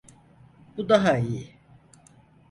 Bu daha iyi.